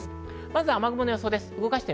まず雨雲の予想です。